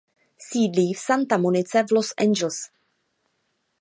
Sídlí v Santa Monice v Los Angeles.